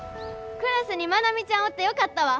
クラスに愛美ちゃんおってよかったわ。